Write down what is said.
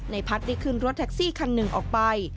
พัฒน์ได้ขึ้นรถแท็กซี่คันหนึ่งออกไป